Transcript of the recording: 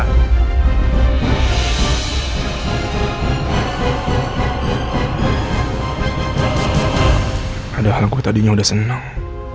padahal gue tadinya udah seneng